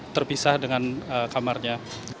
terpisah dengan kamarnya